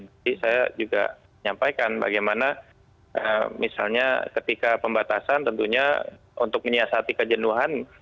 jadi saya juga menyampaikan bagaimana misalnya ketika pembatasan tentunya untuk menyiasati kejenuhan